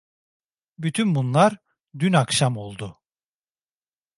Bütün bunlar, dün akşam oldu.